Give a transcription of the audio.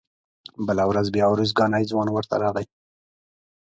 بله ورځ بیا ارزګانی ځوان ورته راغی.